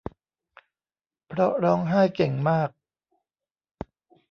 เพราะร้องไห้เก่งมาก